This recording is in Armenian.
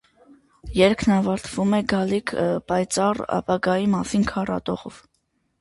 Երգն ավարտվում է գալիք պայծառ ապագայի մասին քառատողով։